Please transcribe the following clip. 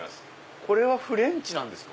これはフレンチなんですか？